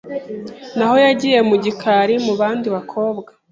naho yagiye mu gikari mu bandi bakobwa.